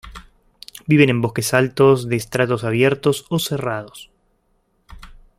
Viven en bosques altos de estratos abiertos o cerrados.